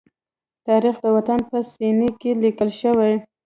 تاریخ د وطن په سینې کې لیکل شوی.